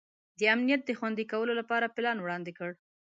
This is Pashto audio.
د امنیت د خوندي کولو لپاره پلان وړاندي کړ.